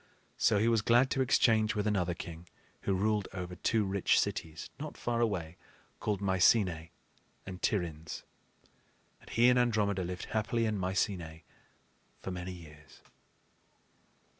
So he was glad to exchange with another king who ruled over two rich cities, not far away, called Mycenae and Tiryns. And he and Andromeda lived happily in Mycenae for many years.